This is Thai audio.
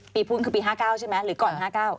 พุธคือปี๕๙ใช่ไหมหรือก่อน๕๙